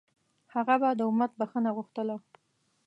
هغه به د امت بښنه غوښتله.